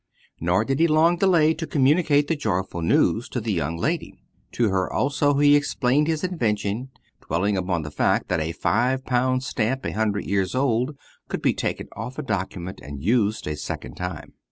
Nor did he long delay to communicate the joyful news to the young lady. To her also he explained his invention, dwelling upon the fact that a five pound stamp a hundred years old could be taken off a document and used a second time.